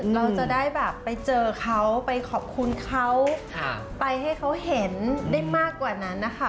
เราจะได้แบบไปเจอเขาไปขอบคุณเขาไปให้เขาเห็นได้มากกว่านั้นนะคะ